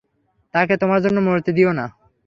তাকে তোমার জন্য মরতে দিও না।